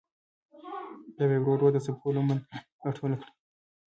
بیا به یې ورو ورو د څپو لمن راټوله کړه.